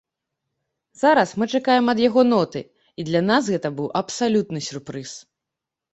Зараз мы чакаем ад яго ноты, і для нас гэта абсалютны сюрпрыз!